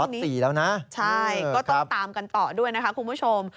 ล็อต๔แล้วนะใช่ครับเรื่องนี้ก็ต้องตามกันต่อด้วยนะครับคุณผู้ชม